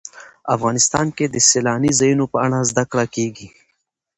افغانستان کې د سیلاني ځایونو په اړه زده کړه کېږي.